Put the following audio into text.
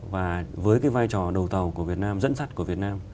và với cái vai trò đầu tàu của việt nam dẫn dắt của việt nam